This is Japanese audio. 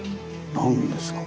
何ですか？